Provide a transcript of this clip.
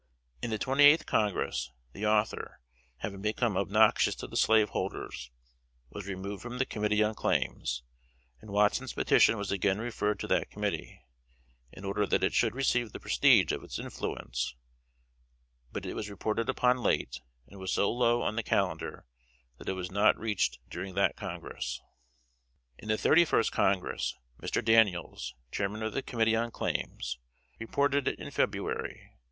In the Twenty eighth Congress, the Author, having become obnoxious to the slaveholders, was removed from the committee on Claims, and Watson's petition was again referred to that committee, in order that it should receive the prestige of its influence; but it was reported upon late, and was so low on the calendar that it was not reached during that Congress. [Sidenote: 1848.] [Sidenote: 1849.] In the Thirty first Congress, Mr. Daniels, Chairman of the committee on Claims, reported it in February.